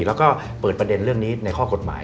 แล้วก็เปิดประเด็นเรื่องนี้ในข้อกฎหมาย